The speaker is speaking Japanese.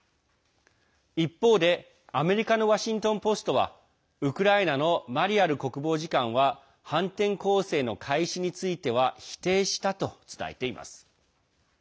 一方で、アメリカのワシントン・ポストはウクライナのマリャル国防次官は反転攻勢の開始については否定したと伝えています。